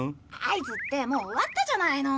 合図ってもう終わったじゃないの！